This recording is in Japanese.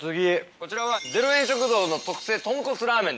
こちらは０円食堂の特製とんこつラーメンです。